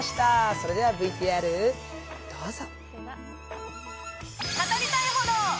それではＶＴＲどうぞ。